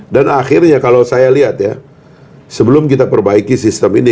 dan akhirnya kalau saya lihat ya sebelum kita perbaiki sistem ini